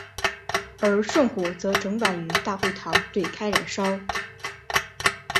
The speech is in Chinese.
而圣火则整晚于大会堂对开燃烧。